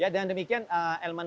dan demikian elemen